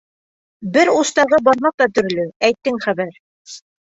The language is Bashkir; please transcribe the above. — Бер устағы бармаҡ та төрлө, әйттең хәбәр.